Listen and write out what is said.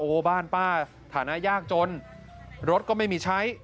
โอ้โหบ้านป้าฐานะยากจนรถก็ไม่มีใช้